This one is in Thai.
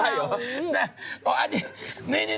ไม่ใช่เหรอ